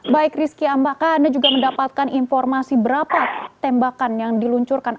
baik rizky apakah anda juga mendapatkan informasi berapa tembakan yang diluncurkan